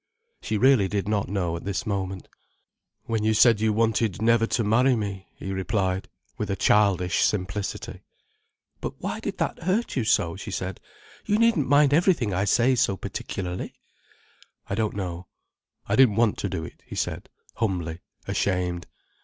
She really did not know, at this moment. "When you said you wanted never to marry me," he replied, with a childish simplicity. "But why did that hurt you so?" she said. "You needn't mind everything I say so particularly." "I don't know—I didn't want to do it," he said, humbly, ashamed.